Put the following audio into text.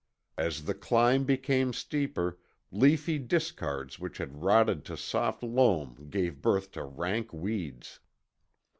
As the climb became steeper, leafy discards which had rotted to soft loam gave birth to rank weeds.